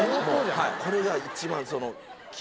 これが一番。